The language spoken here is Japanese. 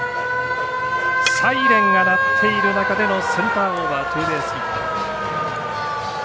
サイレンが鳴っている中でのセンターオーバーツーベースヒット。